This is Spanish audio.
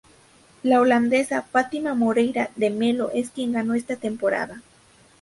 La holandesa Fatima Moreira de Melo es quien ganó esta temporada.